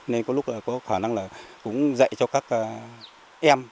nên có lúc là có khả năng là cũng dạy cho các em